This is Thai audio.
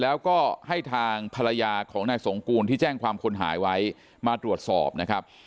แล้วก็ให้ทางภรรยาของนายสงกูลที่แจ้งความคนหายไว้มาตรวจสอบนะครับ